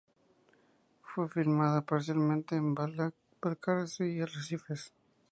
Fue filmada parcialmente en Balcarce y Arrecifes.